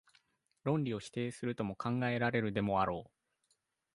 論理を否定するとも考えられるでもあろう。